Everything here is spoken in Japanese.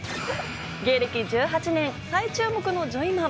芸歴１８年、再注目のジョイマン。